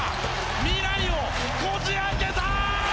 未来をこじ開けた！